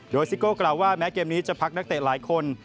โดยซิโก้กล่าวว่าแม้เกมนี้จะพักนักเตะหลายคน